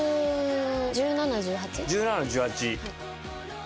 １７１８。